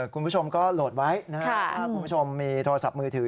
คุณผู้ชมก็โหลดไว้นะครับถ้าคุณผู้ชมมีโทรศัพท์มือถือ